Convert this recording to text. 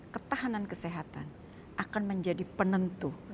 ketahanan kesehatan akan menjadi penentu